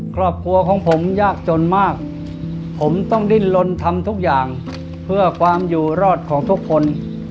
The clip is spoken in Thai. ครอบครัวของผมยากจนมากผมต้องดิ้นลนทำทุกอย่างเพื่อความอยู่รอดของทุกคน